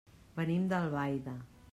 Venim d'Albaida.